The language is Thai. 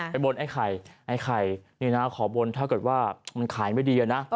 บนไอ้ไข่ไอ้ไข่นี่นะขอบนถ้าเกิดว่ามันขายไม่ดีอะนะ